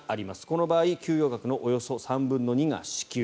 この場合、給与額のおよそ３分の２を支給。